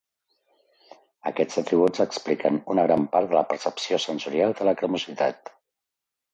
Aquests atributs expliquen una gran part de la percepció sensorial de la cremositat.